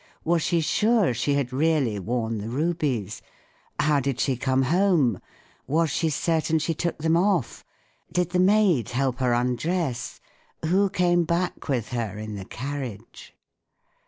Was she sure she had really worn the rubies ? How did she come home ? Was she certain she took them off? Did the maid help her undress? Who came back with her in the carriage